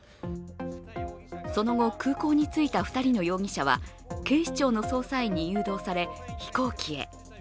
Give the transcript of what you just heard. その後、空港に着いた２人の容疑者は、警視庁の捜査員に誘導され、飛行機へ。